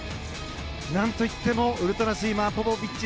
何といってもウルトラスイマー、ポポビッチ。